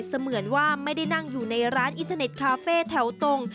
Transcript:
เสมือนว่าไม่ได้นั่งอยู่ในร้านอินเทอร์เน็ตคาเฟ่แถวตรง